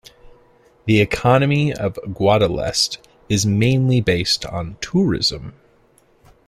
The economy of Guadalest is mainly based on tourism.